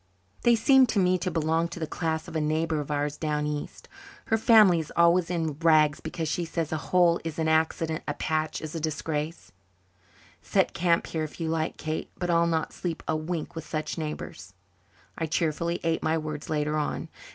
"They seem to me to belong to the class of a neighbour of ours down east. Her family is always in rags, because she says, 'a hole is an accident, a patch is a disgrace,' Set camp here if you like, Kate. But I'll not sleep a wink with such neighbours." I cheerfully ate my words later on.